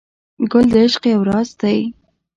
ګل د عشق یو راز دی.